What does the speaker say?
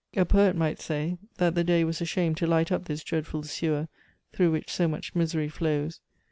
A poet might say that the day was ashamed to light up this dreadful sewer through which so much misery flows!